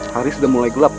hari sudah mulai gelap